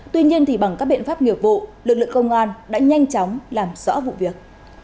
tuy nhiên bằng các biện pháp nghiệp vụ lực lượng công an đã nhanh chóng làm rõ vụ việc